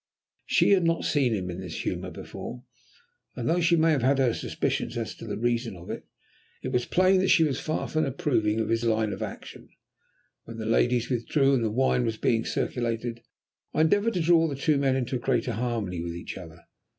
She had not seen him in this humour before, and though she may have had her suspicions as to the reason of it, it was plain that she was far from approving of his line of action. When the ladies withdrew, and the wine was being circulated, I endeavoured to draw the two men into greater harmony with each other.